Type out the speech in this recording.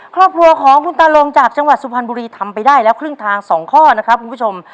ครอบครัวของคุณตาลงจากจังหวัดสุพรรณบุรีทำไปได้แล้วครึ่งทาง๒ข้อนะครับคุณผู้ชม